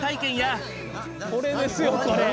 これですよこれ。